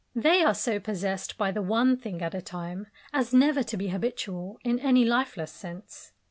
They are so possessed by the one thing at a time as never to be habitual in any lifeless sense.